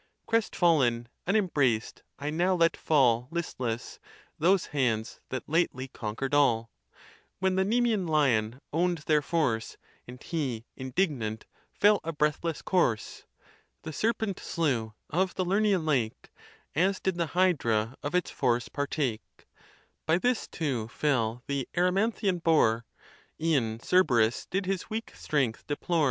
Crestfallen, unembraced, I now let fall Listless, those hands that lately conquer'd all ; When the Nemzan lion own'd their force, And he indignant fell a breathless corse ; The serpent slew, of the Lernean lake, As did the Hydra of its force partake: By this, too, fell the Erymanthian boar: E'en Cerberus did his weak strength deplore.